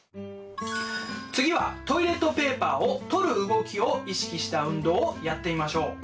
次はトイレットペーパーを取る動きを意識した運動をやってみましょう。